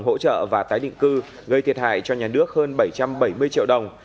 hỗ trợ và tái định cư gây thiệt hại cho nhà nước hơn bảy trăm bảy mươi triệu đồng